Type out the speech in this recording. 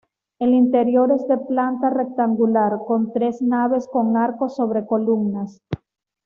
El interior es de planta rectangular, con tres naves con arcos sobre columnas.